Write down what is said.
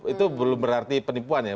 itu belum berarti penipuan ya